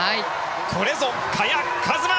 これぞ萱和磨！